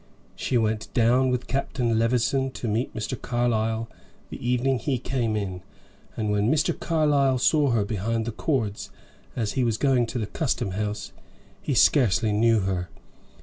She went down with Captain Levison to meet Mr. Carlyle, the evening he came in, and when Mr. Carlyle saw her behind the cords, as he was going to the custom house, he scarcely knew her.